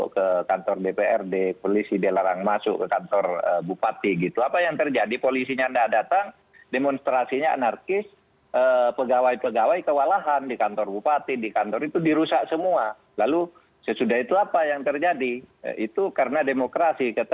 ketika ditangkap ketika mereka